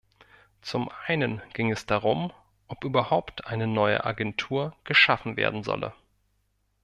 Zum einen ging es darum, ob überhaupt eine neue Agentur geschaffen werden solle.